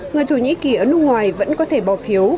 người thổ nhĩ kỳ ở nước ngoài vẫn có thể bỏ phiếu